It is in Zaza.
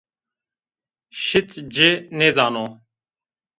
Şit ci nêdano